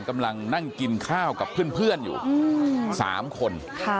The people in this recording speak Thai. กำลังนั่งกินข้าวกับเพื่อนอยู่๓คน